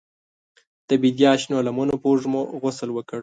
د بیدیا شنو لمنو په وږمو غسل وکړ